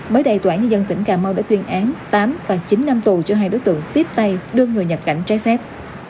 mới đây tòa án nhân dân tỉnh cà mau đã tuyên án tám và chín năm tù cho hai đối tượng tiếp tay đưa người nhập cảnh trái phép